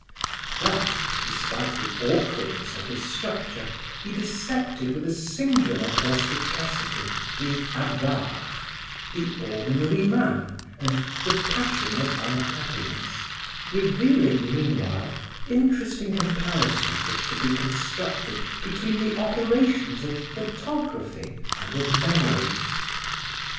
Thus, despite the awkwardness of his structure, he dissected with a singular perspicacity, the Avare, "the ordinary man," and "the passion of unhappiness," revealing meanwhile interesting comparisons which could be constructed between the operations of photography and of memory.